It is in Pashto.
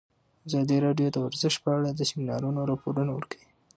ازادي راډیو د ورزش په اړه د سیمینارونو راپورونه ورکړي.